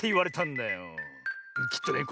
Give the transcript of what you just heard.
きっとね